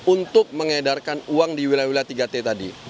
untuk mengedarkan uang di wilayah wilayah tiga t tadi